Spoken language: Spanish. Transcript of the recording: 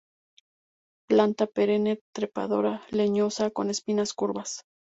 Planta perenne, trepadora, leñosa, con espinas curvas.